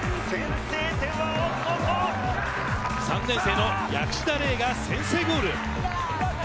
３年生の薬師田澪が先制ゴール。